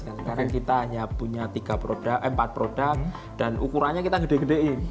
sekarang kita hanya punya empat produk dan ukurannya kita gede gedein